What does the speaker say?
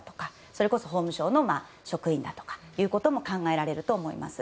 それこそ法務省の職員だとかも考えられると思います。